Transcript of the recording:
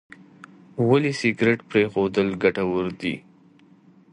ولې سګریټ پرېښودل ګټور دي؟